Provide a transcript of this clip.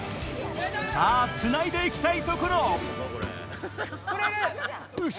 さぁつないでいきたいところおし！